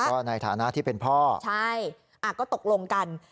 ก็ในฐานะที่เป็นพ่อใช่ก็ตกลงกัน